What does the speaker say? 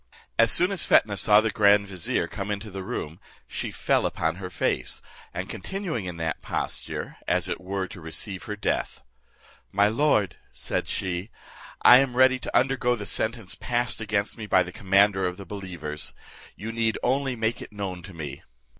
As soon as Fetnah saw the grand vizier, come into the room, she fell upon her face, and continuing in that posture, as it were to receive her death; "My lord," said she, "I am ready to undergo the sentence passed against me by the commander of the believers; you need only make it known to me."